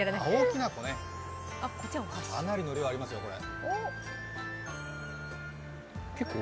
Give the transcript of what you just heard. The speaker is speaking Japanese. かなりの量ありますよ、これ。